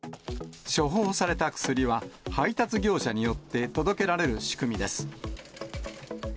処方された薬は、配達業者によって届けられる仕組みです。